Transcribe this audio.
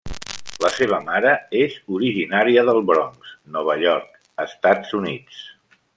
La seva mare és originària del Bronx, Nova York, Estats Units.